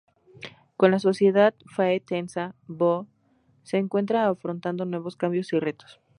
Con la sociedad Fae tensa, Bo se encuentra afrontando nuevos cambios y retos.